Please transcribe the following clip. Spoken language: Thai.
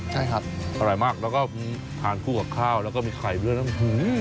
ใช่ครับอร่อยมากแล้วก็ทานคู่กับข้าวแล้วก็มีไข่ไปด้วยน้ำหู